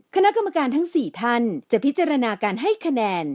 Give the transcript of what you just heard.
คณะกรรมการทั้ง๔ท่านจะพิจารณาการให้คะแนน